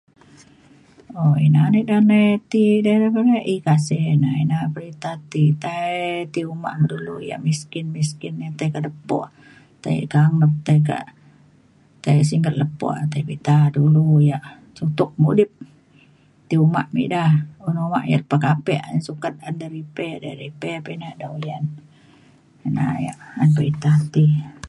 um ina na ida nai tai ti edei ku re E-kasih na. na ina na perita ti tai ti uma ngan dulu yak miskin miskin ni tai ke lepo tai kanget tai kak tai singget lepo tai pita dulu yak suntok mudip. ti uma me ida un uma yak pakapek yak sukat ida repair de repair pa ina dau lian. ina yak an perita ti.